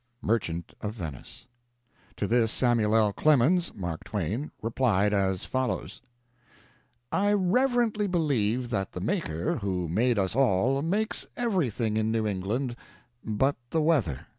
Merchant of Venice. To this Samuel L. Clemens (Mark Twain) replied as follows: I reverently believe that the Maker who made us all makes everything in New England but the weather.